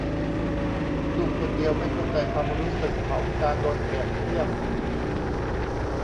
ลูกคนเดียวไม่เข้าใจความรู้สึกของการโดนเปรียบเทียบ